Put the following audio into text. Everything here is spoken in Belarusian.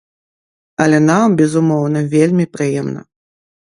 Але нам, безумоўна, вельмі прыемна.